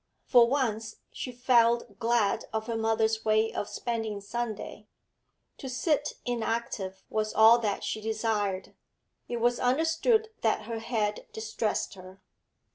For once she felt glad of her mother's way of spending Sunday; to sit inactive was all that she desired. It was understood that her head distressed her.